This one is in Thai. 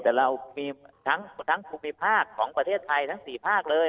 แต่ทั้งภูมิภาคของประเทศไทยทั้งสี่ภาคเลย